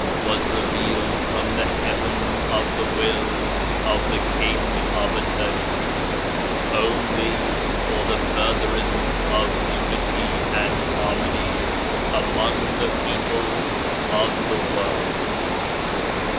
. was revealed from the heaven of the will of the King of Eternity, only for the furtherance of unity and harmony among the people of the world.